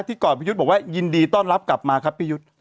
ก่อนพี่ยุทธ์บอกว่ายินดีต้อนรับกลับมาครับพี่ยุทธ์